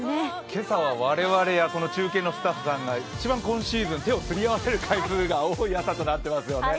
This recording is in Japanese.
今朝は我々や中継のスタッフさんが一番今シーズン、手をすり合わせる回数が多くなってますよね。